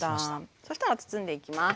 そしたら包んでいきます。